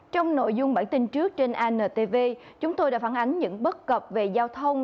trong nội dung bản tin trước trên intv chúng tôi đã phản ánh những bất cập về giao thông